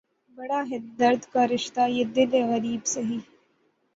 بڑا ہے درد کا رشتہ یہ دل غریب سہی